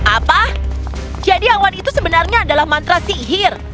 apa jadi awan itu sebenarnya adalah mantra sihir